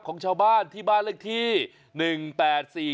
ของชาวบ้านที่บ้านเลือกที่